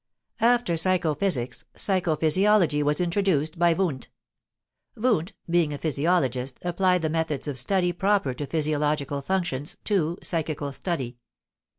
After psycho physics, psycho physiology was introduced by Wundt. Wundt, being a physiologist, applied the methods of study proper to physiological functions to psychical study.